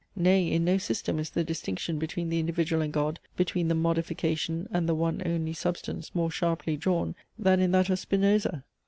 Nay, in no system is the distinction between the individual and God, between the Modification, and the one only Substance, more sharply drawn, than in that of Spinoza.